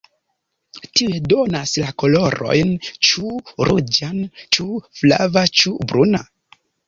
Tiuj donas la kolorojn ĉu ruĝan ĉu flava ĉu bruna.